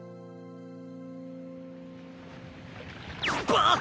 バッ！